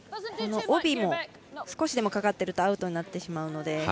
帯に少しでもかかっているとアウトになってしまうので。